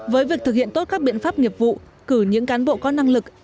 với việc thực hiện tốt các biện pháp nghiệp vụ cử những cán bộ có năng lực